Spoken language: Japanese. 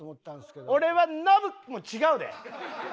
「俺は信！」も違うで？